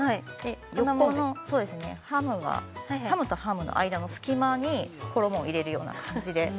横のハムがハムとハムの隙間に衣を入れるような感じで。